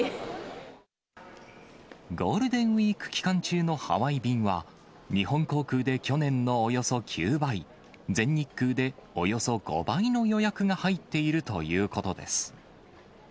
ゴールデンウィーク期間中のハワイ便は、日本航空で去年のおよそ９倍、全日空でおよそ５倍の予約が入っているということです。